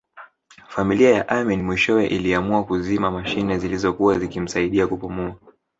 Familia ya Amin mwishowe iliamua kuzima mashine zilizokuwa zikimsaidia kupumua